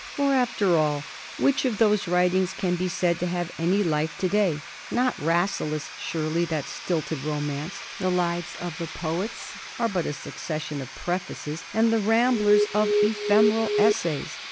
For, after all, which of those writings can be said to have any life to day? Not "Rasselas," surely—that stilted romance. "The Lives of the Poets" are but a succession of prefaces, and the "Ramblers" of ephemeral essays.